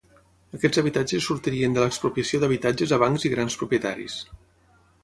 Aquests habitatges sortirien de l'expropiació d'habitatges a bancs i grans propietaris.